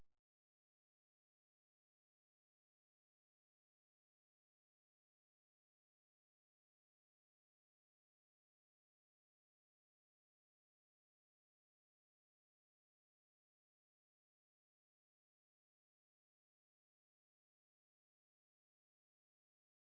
ค่ะ